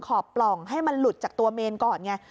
ขอบปล่องให้มันหลุดจากตัวเมนก่อนไง